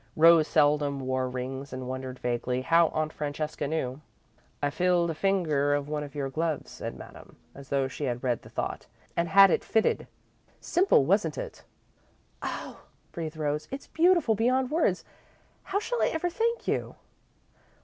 Rose seldom wore rings and wondered, vaguely, how Aunt Francesca knew. "I filled a finger of one of your gloves," said Madame, as though she had read the thought, "and had it fitted. Simple, wasn't it?" "Oh," breathed Rose, "it's beautiful beyond words! How shall I ever thank you!"